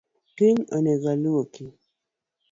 Kiny onego aluoki